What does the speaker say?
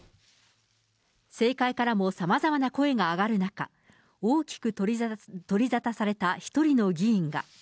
政界からもさまざまな声が上がる中、大きく取り沙汰された一人の議員が。